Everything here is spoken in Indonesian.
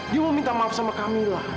dia mau minta maaf sama kamila